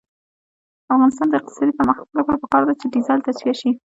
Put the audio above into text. د افغانستان د اقتصادي پرمختګ لپاره پکار ده چې ډیزل تصفیه شي.